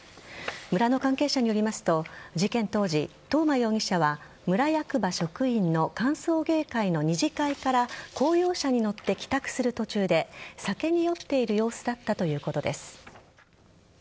村の関係者によりますと事件当時、東間容疑者は村役場職員の歓送迎会の二次会から公用車に乗って帰宅する途中で酒に酔っている様子だったということです。